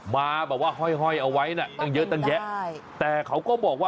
มาแบบว่าห้อยเอาไว้น่ะตั้งเยอะตั้งแยะใช่แต่เขาก็บอกว่า